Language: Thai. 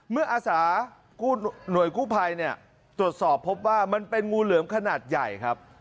อาสาหน่วยกู้ภัยเนี่ยตรวจสอบพบว่ามันเป็นงูเหลือมขนาดใหญ่ครับ